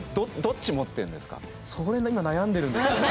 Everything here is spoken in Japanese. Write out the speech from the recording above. それ今悩んでるんですよね。